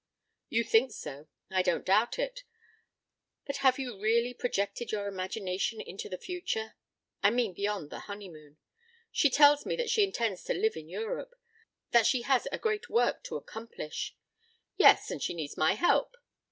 "You think so. I don't doubt it. But have you really projected your imagination into the future? I mean beyond the honeymoon? She tells me that she intends to live in Europe that she has a great work to accomplish " "Yes, and she needs my help."